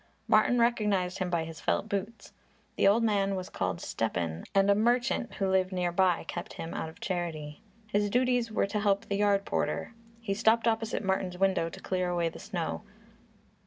Martin recognized him by his felt boots. The old man was called Stepan and a merchant who lived near by kept him out of charity. His duties were to help the yard porter. He stopped opposite Martin's window to clear away the snow.